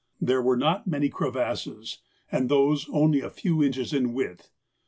There were not many crevasses, and those only a few inches in width.